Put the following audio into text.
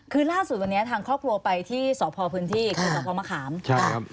คือล่าสุดวันนี้ทางครอบครัวไปที่สพพื้นที่คือสพมะขามครับ